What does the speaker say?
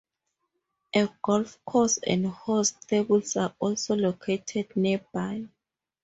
A golf course and horse stables are also located nearby.